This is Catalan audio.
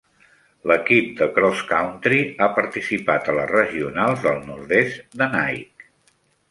L'equip de Cross Country ha participat a les regionals del nord-est de Nike.